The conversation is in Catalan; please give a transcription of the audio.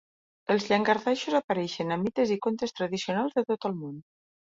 Els llangardaixos apareixen a mites i contes tradicionals de tot el món.